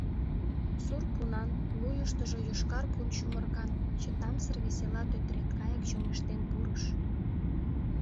Сур пунан, вуйыштыжо йошкар пун чумыркан, чытамсыр весела тӧтыретркайык чоҥештен пурыш.